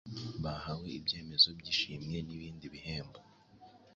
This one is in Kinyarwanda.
bahawe ibyemezo by'ishimwe n'ibindi bihembo